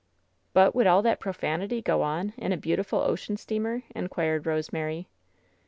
"But would all that profanity go on in a beautiful ocean steamer?" inquired Rosemary.